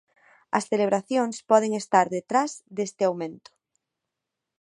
As celebracións poden estar detrás deste aumento.